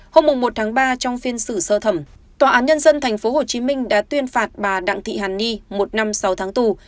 hôm một ba trong phiên xử sơ thẩm tòa án nhân dân tp hcm đã tuyên phạt bà đặng thị hàn ni một năm sáu tháng tù